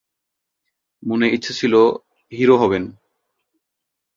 মনে ইচ্ছে ছিলো হিরো হবেন।